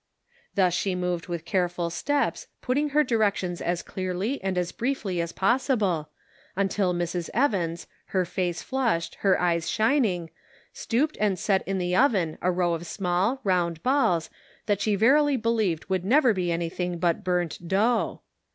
Thus she moved with careful steps, putting her directions as clearly and as briefly as pos sible, until Mrs. Evans, her face flushed, her eyes shining, stooped and set in the oven a row of small round balls that she verily believed would never be anything but burnt dough